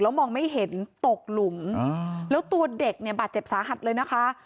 มองไม่เห็นตกหลุมแล้วตัวเด็กเนี่ยบาดเจ็บสาหัสเลยนะคะ